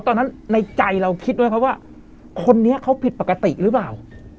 ตอนนั้นในใจเราคิดด้วยเขาว่าคนนี้เขาผิดปกติหรือเปล่า